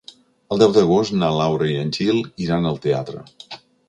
El deu d'agost na Laura i en Gil iran al teatre.